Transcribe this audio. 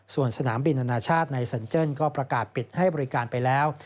ส่วนสนามบินอนาชาติในสันเจิ้นก็ประกาศปิดให้บริการไปแล้ว